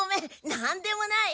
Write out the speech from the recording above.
なんでもない。